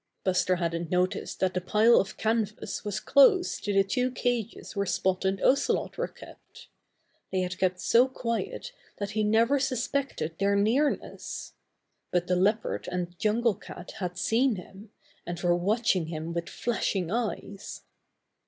'^ Buster hadn't noticed that the pile of canvas was close to the two cages where Spot and Ocelot were kept. They had kept so quiet that he never suspected their nearness. But the Leopard and Jungle Cat had seen him, and were watching him with flashing eyes.